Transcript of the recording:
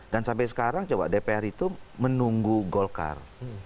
dan sampai sekarang coba dpr itu menunggu golkar